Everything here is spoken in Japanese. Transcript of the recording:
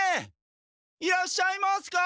いらっしゃいますか？